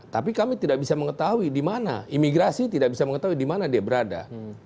tapi kami tidak bisa mengetahui di mana imigrasi tidak bisa mengetahui di mana dia berada